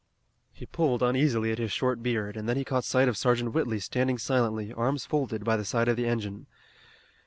He pulled uneasily at his short beard, and then he caught sight of Sergeant Whitley standing silently, arms folded, by the side of the engine.